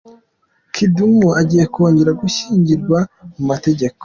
Kidum agiye kongera gushyingirwa mu mategeko